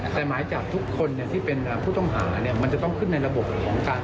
แต่หมายจับทุกคนที่เป็นผู้ต้องหามันจะต้องขึ้นในระบบของการ